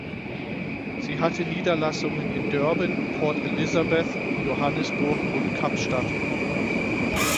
Sie hatte Niederlassungen in Durban, Port Elizabeth, Johannesburg und Kapstadt.